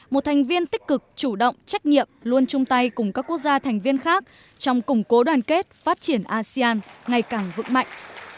một thành viên tích cực chủ động trách nhiệm luôn chung tay cùng các quốc gia thành viên khác trong củng cố đoàn kết phát triển asean ngày càng vững mạnh